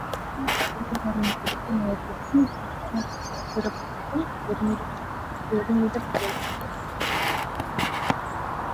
அடிகளாரின் கருத்து நயத்திற்கும் சிந்தனைச் சிறப்புக்கும் பெருமிதப் பெருமைக்கும் எடுத்துக்காட்டுக்கள் ஒரு சிலவற்றை இங்குச் சுட்டிக்காட்ட விழைகின்றேன்.